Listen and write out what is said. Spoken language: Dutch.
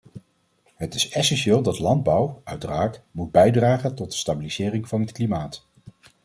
Het is essentieel dat landbouw, uiteraard, moet bijdragen tot de stabilisering van het klimaat.